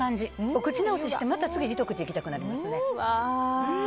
お口直ししてまた次ひと口、行きたくなりますね。